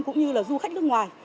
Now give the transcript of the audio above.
cũng như là du khách nước ngoài